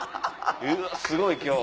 うわすごい今日。